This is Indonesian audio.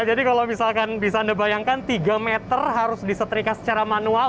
jadi kalau misalkan bisa anda bayangkan tiga meter harus disetrika secara manual